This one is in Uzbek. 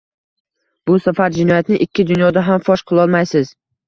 bu safar jinoyatni ikki dunyoda ham fosh qilolmaysiz.